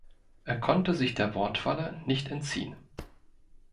Er konnte sich der Wortfalle nicht entziehen.